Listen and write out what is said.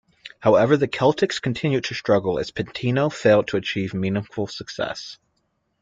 However, the Celtics continued to struggle as Pitino failed to achieve meaningful success.